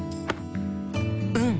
うん！